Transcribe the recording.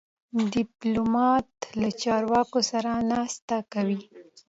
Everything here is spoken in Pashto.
ډيپلومات له چارواکو سره ناستې کوي.